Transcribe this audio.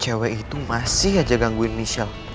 cewek itu masih aja gangguin michelle